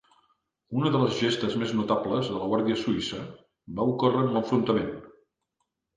Una de les gestes més notables de la Guàrdia suïssa va ocórrer en l'enfrontament.